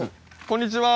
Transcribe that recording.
こんにちは。